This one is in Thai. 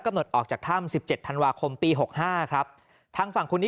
หดออกจากถ้ำสิบเจ็ดธันวาคมปีหกห้าครับทางฝั่งคนนี้